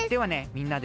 みんなで。